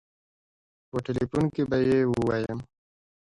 په ټيليفون کې به يې ووايم.